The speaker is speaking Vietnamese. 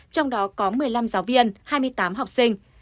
trong đó có một mươi năm giáo viên hai mươi tám học sinh